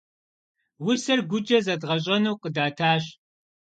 Усэр гукӏэ зэдгъэщӏэну къыдатащ.